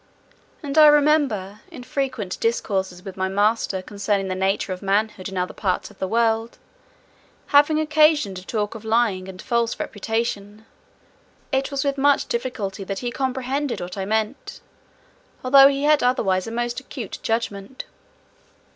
And I remember, in frequent discourses with my master concerning the nature of manhood in other parts of the world, having occasion to talk of lying and false representation, it was with much difficulty that he comprehended what I meant, although he had otherwise a most acute judgment.